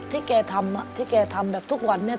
แกทำที่แกทำแบบทุกวันนี้